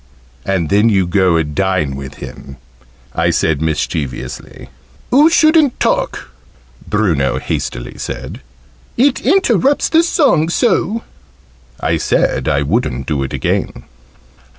"And then you go and dine with him?" I said, mischievously. "Oo shouldn't talk," Bruno hastily said: "it interrupts the song so." I said I wouldn't do it again.